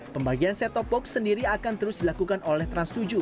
pembagian set top box sendiri akan terus dilakukan oleh trans tujuh